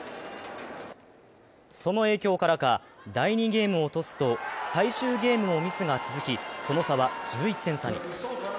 その影響からか、第２ゲームを落とすと最終ゲームもミスが続きその差は、１１点差に。